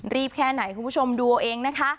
แค่ไหนคุณผู้ชมดูเอาเองนะคะ